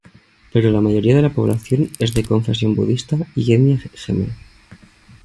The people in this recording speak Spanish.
Pero la mayoría de la población es de confesión budista y etnia jemer.